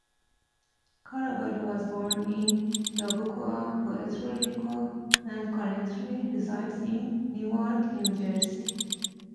Caraballo was born in Yabucoa, Puerto Rico, and currently resides in Newark, New Jersey.